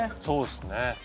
そうですね